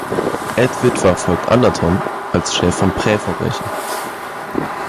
Ed Witwer folgt Anderton als Chef von Prä-Verbrechen.